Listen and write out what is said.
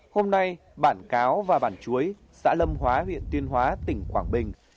hôm nay bản cáo và bản chuối xã lâm hóa huyện tuyên hóa tỉnh quảng bình